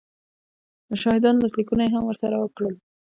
د شاهدانو لاسلیکونه یې هم ورسره کړل